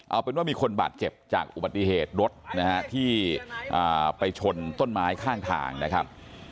เอาเป็นว่ามีคนบาดเจ็บจากอุบัติเหตุรถนะฮะที่ไปชนต้นไม้ข้างทางนะครับ